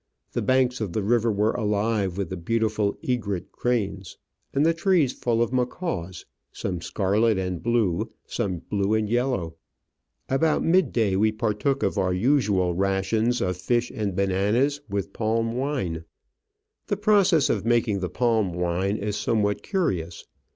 The banks of the river were alive with the beautiful egret cranes, and the trees full of macaws, some scarlet and blue, some blue and yellow. About mid day we partook of our usual rations of fish and bananas, with palm wine. The process of making the palm wine is somewhat curious.